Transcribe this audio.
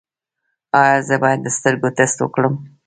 ایا زه باید د سترګو ټسټ وکړم؟